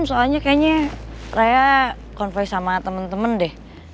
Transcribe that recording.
soalnya kayaknya raya konvoy sama temen temen deh